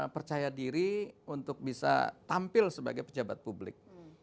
percaya diri untuk bisa tampil sebagai pejabat publik